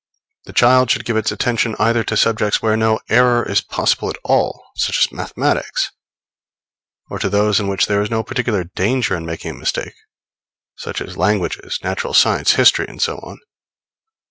The child should give its attention either to subjects where no error is possible at all, such as mathematics, or to those in which there is no particular danger in making a mistake, such as languages, natural science, history and so on.